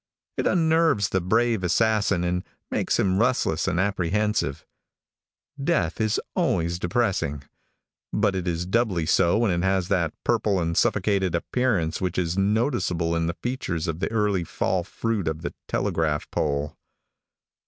It unnerves the brave assassin and makes him restless and apprehensive. Death is always depressing, but it is doubly so when it has that purple and suffocated appearance which is noticeable in the features of the early fall fruit of the telegraph pole.